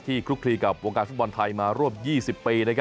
ที่คลุกทรีย์กับวงการฝุ่นบอลไทยมาร่วม๒๐ปี